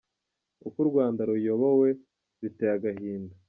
Uko u rwanda ruyobowe biteye agahinda.